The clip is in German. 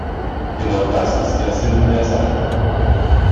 Genau das ist ja Sinn der Sache.